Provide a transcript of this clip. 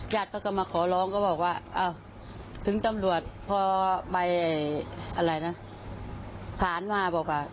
ญาติก็มาขอร้องก็บอกว่าถึงตำรวจพอไปสารมาบอกว่า